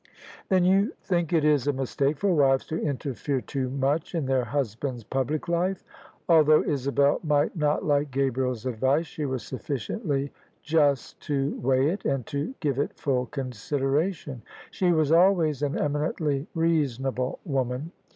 " Then you think it is a mistake for wives to interfere too much in their husband's public life? " Although Isabel might not like Gabriel's advice, she was sufficiently just to weigh it and to give it full consideration. She was always an eminently reasonable woman.